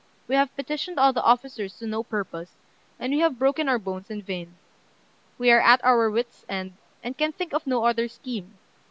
We have petitioned all the officers to no purpose, and we have broken our bones in vain. We are at our wits' end, and can think of no other scheme.